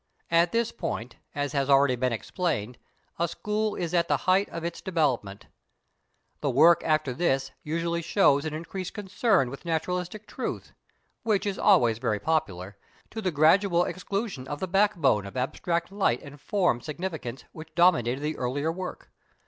At this point, as has already been explained, a school is at the height of its development. The work after this usually shows an increased concern with naturalistic truth, which is always very popular, to the gradual exclusion of the backbone of abstract line and form significance that dominated the earlier work.